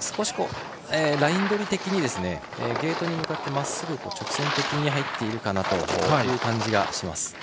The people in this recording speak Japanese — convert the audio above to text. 少しラインどり的にゲートに向かって直線的に入っているかなという感じがします。